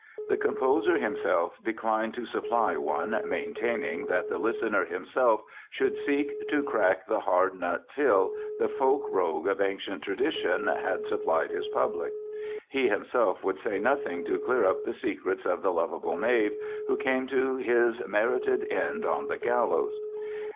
The composer himself declined to supply one, maintaining that the listener himself should seek to "crack the hard nut Till, the folk rogue of ancient tradition" had supplied his public. He himself would say nothing to clear up the secrets of the lovable knave, who came to his merited end on the gallows.